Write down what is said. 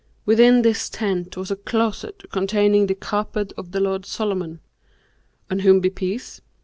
Within this tent was a closet containing the carpet of the lord Solomon (on whom be peace!)